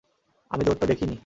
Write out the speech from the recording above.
আমি দৌড়টা দেখিইনি।